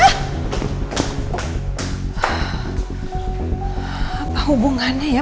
apa hubungannya ya